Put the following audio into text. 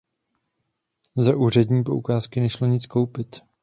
Za úřední poukázky nešlo nic koupit.